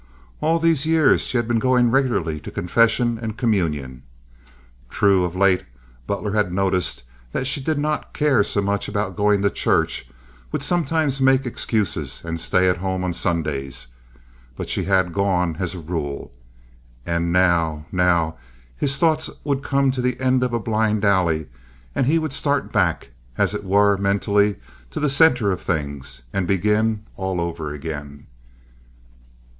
All these years she had been going regularly to confession and communion. True, of late Butler had noticed that she did not care so much about going to church, would sometimes make excuses and stay at home on Sundays; but she had gone, as a rule. And now, now—his thoughts would come to the end of a blind alley, and then he would start back, as it were, mentally, to the center of things, and begin all over again.